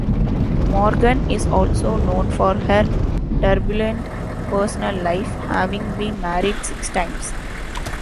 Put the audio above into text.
Morgan is also known for her turbulent personal life, having been married six times.